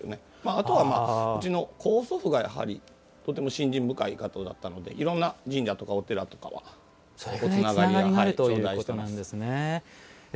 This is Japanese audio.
あとはうちの曽祖父が非常に信心深い方だったのでいろんな神社とかお寺とかはつながりを頂戴しています。